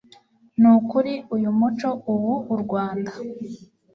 ni ukuri uyu muco ubu u rwanda